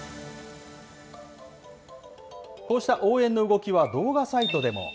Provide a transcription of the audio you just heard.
こうした応援の動きは、動画サイトでも。